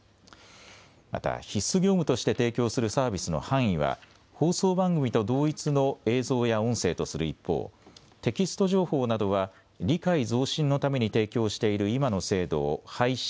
また必須業務として提供するサービスの範囲は放送番組と同一の映像や音声とする一方、テキスト情報などは理解増進のために提供している今の制度を廃止